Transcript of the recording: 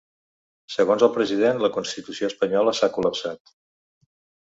Segons el president, la constitució espanyola s’ha col·lapsat.